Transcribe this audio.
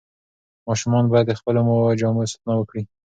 ماشومان باید د خپلو جامو ساتنه وکړي.